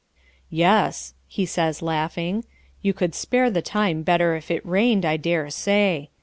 "Yes," he says, laughing, "you could spare the time better if it rained, I dare say.